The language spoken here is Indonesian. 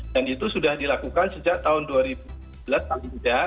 dan itu sudah dilakukan sejak tahun dua ribu sebelas tahun tidak